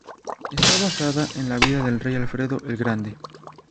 Está basada en la vida del rey Alfredo "el Grande".